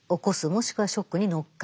もしくはショックに乗っかる。